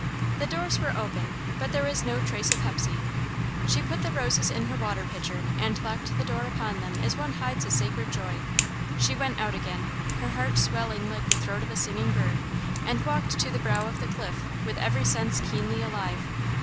The doors were open, but there was no trace of Hepsey. She put the roses in her water pitcher, and locked her door upon them as one hides a sacred joy. She went out again, her heart swelling like the throat of a singing bird, and walked to the brow of the cliff, with every sense keenly alive.